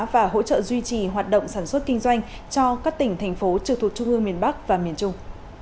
và hỗ trợ duy trì hoạt động sản xuất kinh doanh cho các tỉnh thành phố trực thuộc trung ương miền bắc và miền trung